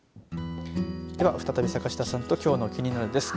では再び、坂下さんときょうのキニナル！です。